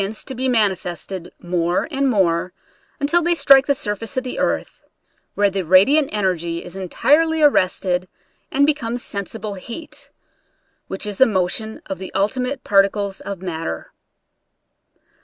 45 to be manifested more and more till they strike the surface of the earth, where the radiant energy is entirely arrested and be comes sensible heat, which is a motion of the ultimate particles of matter.